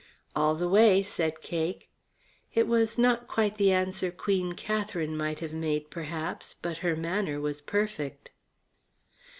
"All the way," said Cake. It was not quite the answer Queen Katherine might have made, perhaps, but her manner was perfect.